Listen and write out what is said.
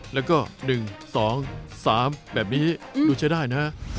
แล้วก็๑๒๓แบบนี้ดูใช้ได้นะ